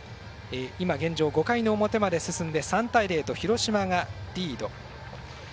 現状、５回の表まで終わって３対０と広島がリード。